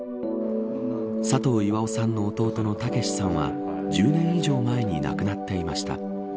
佐藤岩雄さんの弟の武さんは１０年以上前に亡くなっていました。